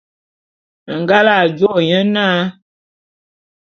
Ngal a nga jô nye na.